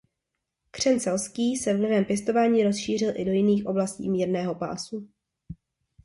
Křen selský se vlivem pěstování rozšířil i do jiných oblastí mírného pásu.